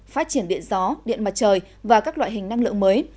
phát triển điện gió điện mặt trời và các loại hình năng lượng mới